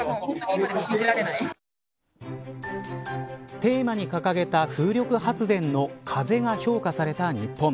テーマに掲げた風力発電の風が評価された日本。